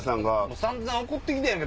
散々怒ったやん